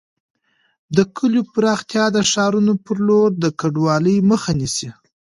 د کليو پراختیا د ښارونو پر لور د کډوالۍ مخه نیسي.